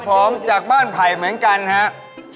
พร้อมจากบ้านไผ่เหมือนกันครับ